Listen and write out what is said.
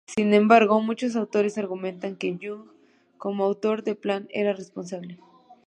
Sin embargo, muchos autores argumentan que Young, como autor del plan, era responsable.